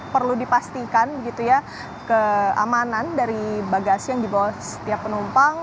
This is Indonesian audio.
perlu dipastikan keamanan dari bagasi yang dibawa setiap penumpang